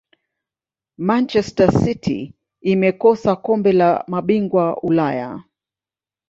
manchester city imekosa kombe la mabingwa ulaya